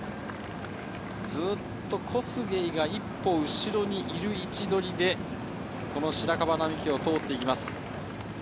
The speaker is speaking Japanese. ずっとコスゲイが一歩後ろにいる位置取りで、白樺並木を通って行きます。